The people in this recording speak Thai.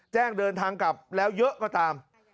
แจ้งเดินทางกลับแล้วยกก็ตาม